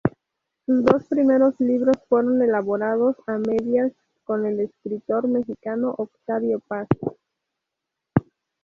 Sus dos primeros libros fueron elaborados a medias con el escritor mexicano Octavio Paz.